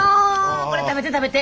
これ食べて食べて。